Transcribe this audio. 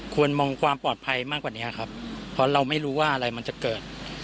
ควรมองความปลอดภัยมากกว่านี้ครับเพราะเราไม่รู้ว่าอะไรมันจะเกิด